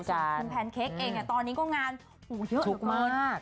คุณแพนเค้กเองตอนนี้ก็งานเยอะถูกมาก